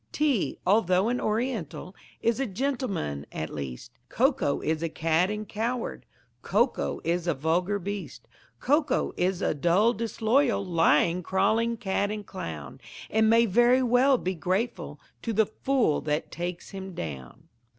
Tea, although an Oriental, Is a gentleman at least; Cocoa is a cad and coward, Cocoa is a vulgar beast, Cocoa is a dull, disloyal, Lying, crawling cad and clown, And may very well be grateful To the fool that takes him down.